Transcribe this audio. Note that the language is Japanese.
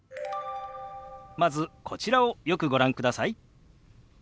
まずこちらをよくご覧ください。